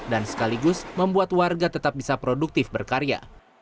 dan sekaligus membuat warga tetap bisa produktif berkarya